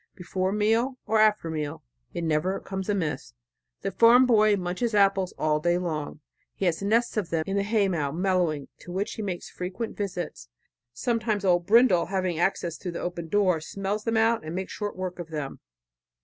Before meal or after meal it never comes amiss. The farm boy munches apples all day long. He has nests of them in the hay mow, mellowing, to which he makes frequent visits. Sometimes old Brindle, having access through the open door, smells them out and makes short work of them.